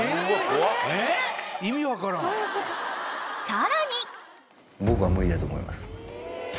［さらに］